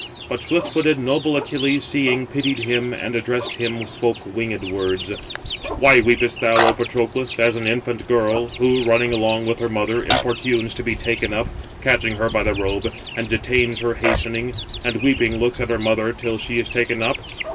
But swift footed noble Achilles, seeing, pitied him, and addressing him, spoke winged words: "Why weepest thou, O Patroclus, as an infant girl, who, running along with her mother, importunes to be taken up, catching her by the robe, and detains her hastening; and weeping, looks at her [mother] till she is taken up?